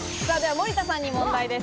森田さんに問題です。